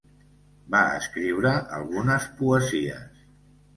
Va escriure algunes poesies.